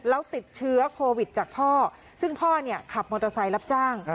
แล้วติดเชื้อโควิดจากพ่อซึ่งพ่อเนี่ยขับมอเตอร์ไซค์รับจ้าง